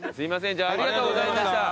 じゃあありがとうございました。